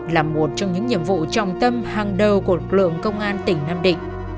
là một trong những nhiệm vụ trọng tâm hàng đầu của lực lượng công an tỉnh nam định